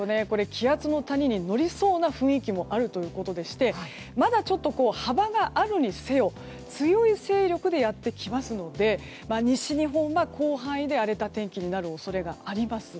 気圧の谷に乗りそうな雰囲気もあってまだちょっと幅があるにせよ強い勢力でやってきますので西日本は広範囲で荒れた天気になる恐れがあります。